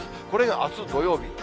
これがあす土曜日。